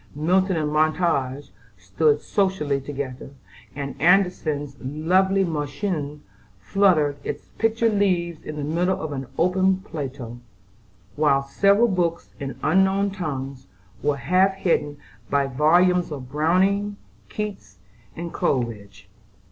Milton and Montaigne stood socially together, and Andersen's lovely "Märchen" fluttered its pictured leaves in the middle of an open Plato; while several books in unknown tongues were half hidden by volumes of Browning, Keats, and Coleridge.